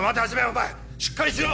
お前しっかりしろ！